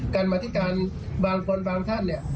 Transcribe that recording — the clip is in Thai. กรรมธิการบางคนบางท่าน